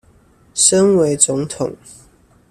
身為總統